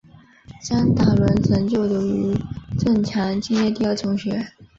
张达伦曾就读余振强纪念第二中学。